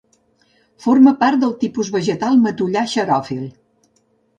Forma part del tipus vegetal matollar xeròfil.